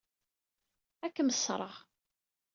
Ad kem-ṣṣreɣ.